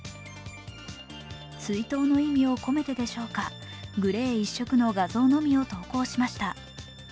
追悼の意味を込めてでしょうか、グレー一色の画像のみを投稿しました。